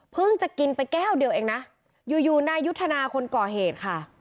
จะกินไปแก้วเดียวเองนะอยู่อยู่นายุทธนาคนก่อเหตุค่ะ